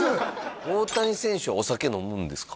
大谷選手はお酒飲むんですか？